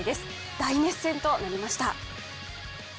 大熱戦となりました。